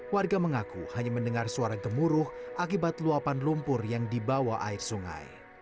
warga mengaku hanya mendengar suara gemuruh akibat luapan lumpur yang dibawa air sungai